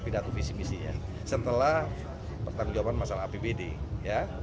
pidato visi visinya setelah pertanggung jawaban masalah apbd ya